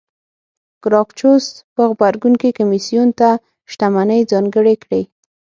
ګراکچوس په غبرګون کې کمېسیون ته شتمنۍ ځانګړې کړې